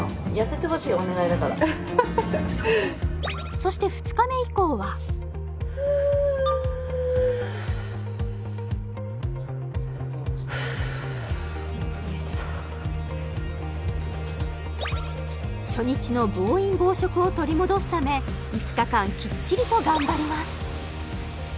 そして２日目以降はフーッフーッお腹見えてた初日の暴飲暴食を取り戻すため５日間きっちりと頑張ります